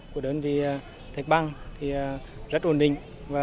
của đơn vị thạch băng rất ổn định